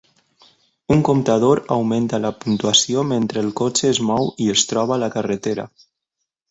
Un comptador augmenta la puntuació mentre el cotxe es mou i es troba a la carretera.